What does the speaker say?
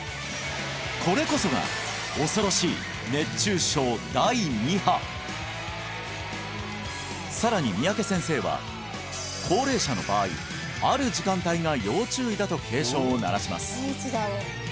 これこそが恐ろしい熱中症第二波さらに三宅先生は高齢者の場合ある時間帯が要注意だと警鐘を鳴らします